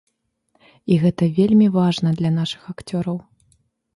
І гэта вельмі важна для нашых акцёраў.